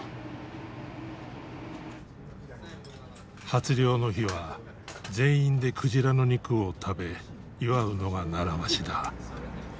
初漁の日は全員で鯨の肉を食べ祝うのが習わしだ。